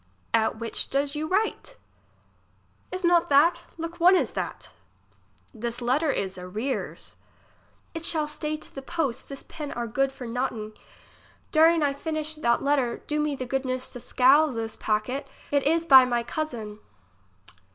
At which does you write ? Is not that ? look one is that. Tliis letter is arrears. It shall stay to the post. This pen are good for notting. During I finish that letter, do me the goodness to seal this packet ; it is by my cousin.